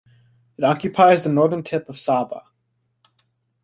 It occupies the northern tip of Sabah.